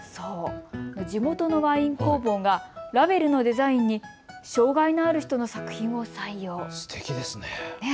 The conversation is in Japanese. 地元のワイン工房がラベルのデザインに障害のある人の作品を採用。